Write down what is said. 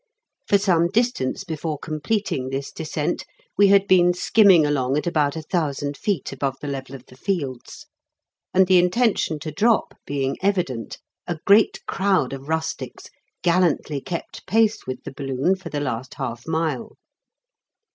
For some distance before completing this descent we had been skimming along at about a thousand feet above the level of the fields, and the intention to drop being evident, a great crowd of rustics gallantly kept pace with the balloon for the last half mile.